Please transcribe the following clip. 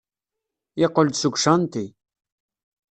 Yeqqel-d seg ucanṭi.